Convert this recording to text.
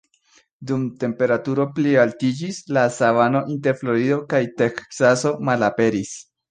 Dum temperaturoj plialtiĝis, la savano inter Florido kaj Teksaso malaperis.